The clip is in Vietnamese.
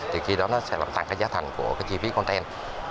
thì khi đó nó sẽ làm tăng cái giá thành của cái chi phí con ten